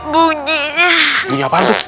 bunyi bunyi apaan tuh